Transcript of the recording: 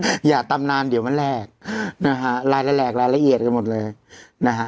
อย่าตำนานเดี๋ยวมันแหลกนะฮะรายละแหลกรายละเอียดกันหมดเลยนะฮะ